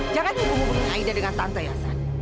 jangan hubung hubung aida dengan tante ya tante